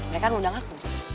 mereka ngundang aku